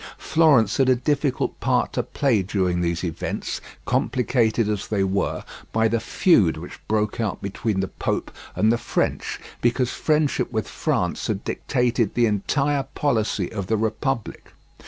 Florence had a difficult part to play during these events, complicated as they were by the feud which broke out between the pope and the French, because friendship with France had dictated the entire policy of the Republic.